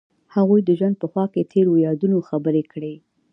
هغوی د ژوند په خوا کې تیرو یادونو خبرې کړې.